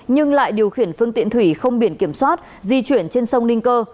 nhưng lại điều khiển phương tiện thủy không biển kiểm soát di chuyển trên sông ninh cơ